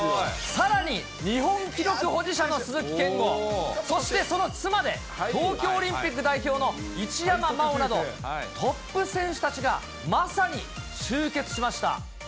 さらに日本記録保持者の鈴木健吾、そしてその妻で東京オリンピック代表の一山麻緒など、トップ選手たちがまさに集結しました。